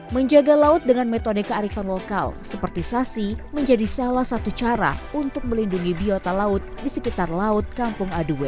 menjaga laut dengan metode kearifan lokal seperti sasi menjadi salah satu cara untuk melindungi biota laut di sekitar laut kampung aduwe